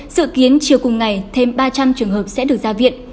dự kiến chiều cùng ngày thêm ba trăm linh trường hợp sẽ được ra viện